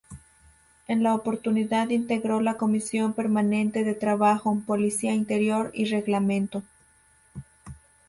En la oportunidad integró la Comisión permanente de Trabajo, Policía Interior y Reglamento.